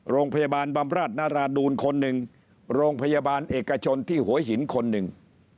โรงพยาบาลบำราชนาราดูนคนหนึ่งโรงพยาบาลเอกชนที่หัวหินคนหนึ่ง